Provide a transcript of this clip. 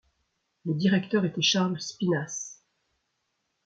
Le directeur était Charles Spinasse.